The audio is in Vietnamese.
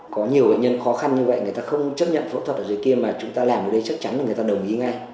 có nhiều bệnh nhân khó khăn như vậy người ta không chấp nhận phẫu thuật ở dưới kia mà chúng ta làm ở đây chắc chắn là người ta đồng ý ngay